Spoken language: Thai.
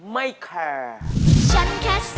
ไม่แคร์